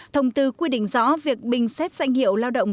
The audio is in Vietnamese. thông tư quy định rõ việc bình xét danh hiệu lao động